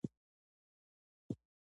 اسلام د کور دننه مشورې ته ارزښت ورکوي.